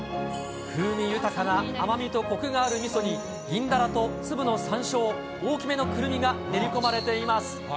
風味豊かな甘みとこくがあるみそに、銀だらと粒のさんしょう、大きめのくるみが練り込まれています。